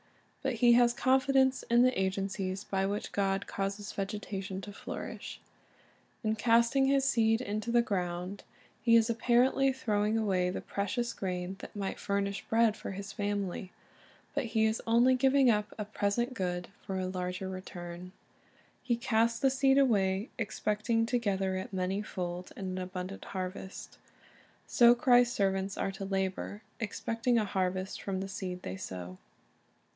But he has confidence in the agencies by which God causes vegetation to flourish. In casting his seed into the ground, he is apparently throwing away the precious grain that might furnish bread for his famil}\ But .Is the earth hringeth forth her budj'* The mystery ''First the Blade, then the Ear" 65 he is only giving up a present good for a larger return. He casts the seed away, expecting to gather it many fold in an abundant harvest. So Christ's servants are to labor, expecting a harvest from the seed they sow.